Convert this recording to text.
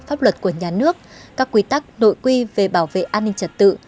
pháp luật của nhà nước các quy tắc nội quy về bảo vệ an ninh trật tự